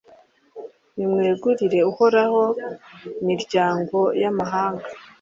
Nimwegurire Uhoraho miryango y’amahanga